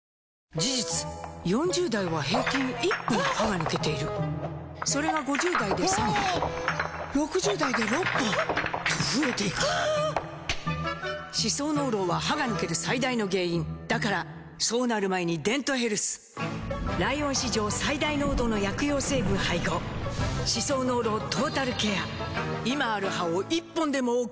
事実４０代は平均１本歯が抜けているそれが５０代で３本６０代で６本と増えていく歯槽膿漏は歯が抜ける最大の原因だからそうなる前に「デントヘルス」ライオン史上最大濃度の薬用成分配合歯槽膿漏トータルケア！